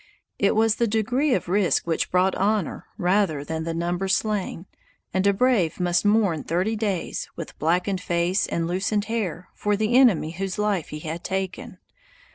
It was the degree of risk which brought honor, rather than the number slain, and a brave must mourn thirty days, with blackened face and loosened hair, for the enemy whose life he had taken.